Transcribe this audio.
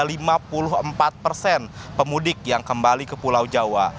jadi ini adalah jumlah penghujung pemudik yang kembali ke pulau jawa